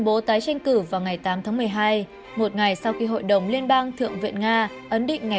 bố tái tranh cử vào ngày tám tháng một mươi hai một ngày sau khi hội đồng liên bang thượng viện nga ấn định ngày